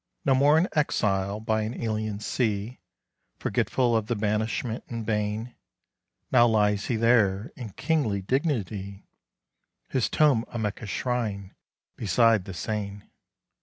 No more an exile by an alien sea, Forgetful of the banishment and bane; Now lies he there, in kingly dignity, His tomb a Mecca shrine beside the Seine.